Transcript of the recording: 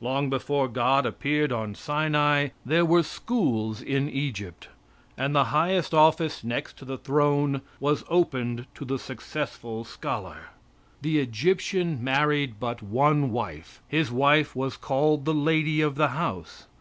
Long before God appeared on Sinai there were schools in Egypt, and the highest office next to the throne was opened to the successful scholar. The Egyptian married but one wife. His wife was called the lady of the house.